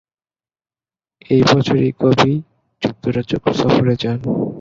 এই বছরই কবি যুক্তরাজ্য সফরে যান।